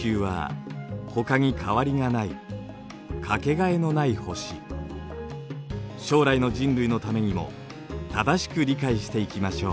我々が暮らす将来の人類のためにも正しく理解していきましょう。